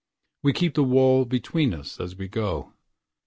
We keep the wall between us as we go.